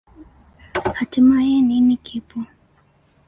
Hatimaye, nini kipo?